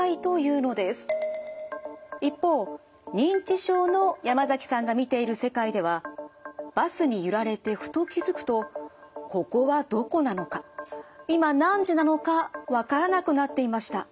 一方認知症の山崎さんが見ている世界ではバスに揺られてふと気付くとここはどこなのか今何時なのかわからなくなっていました。